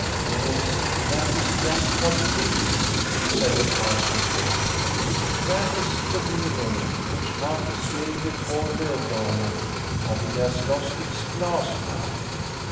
" Yes, that is just what it is," said the Pastor's daughter. " That is the mirror which once lay before Lovdala, but it has lost its glass now.